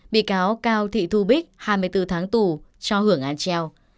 bị cáo cao thị thu bích hai mươi bốn tháng tù cho hưởng án treo